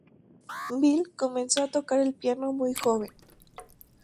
Bill comenzó a tocar el piano muy joven.